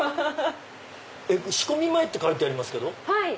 「仕込み前」って書いてありますけど。